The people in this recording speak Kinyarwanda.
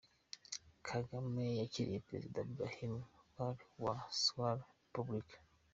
Kagame yakiriye Perezida Brahim Ghali wa Sahrawi Republic.